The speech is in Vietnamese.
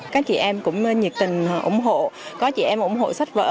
các chị em cũng nhiệt tình ủng hộ có chị em ủng hộ sách vỡ